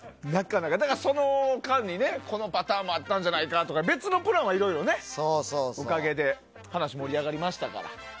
だからその間にこのパターンもあったんじゃないかとか別のプランはいろいろとおかげで話、盛り上がりましたから。